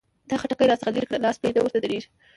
دا خټکي را څخه لري کړه؛ لاس مې نه ورته درېږي.